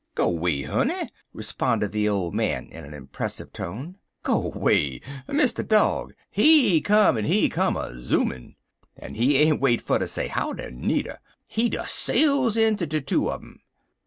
"Go 'way, honey!" responded the old man, in an impressive tone. "Go way! Mr. Dog, he come en he come a zoonin'. En he ain't wait fer ter say howdy, nudder. He des sail inter de two un um.